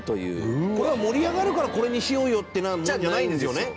山崎：これは、盛り上がるからこれにしようよっていうようなものじゃないんでしょ？